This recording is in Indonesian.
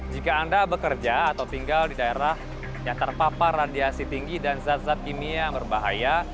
jika anda bekerja atau tinggal di daerah yang terpapar radiasi tinggi dan zat zat kimia yang berbahaya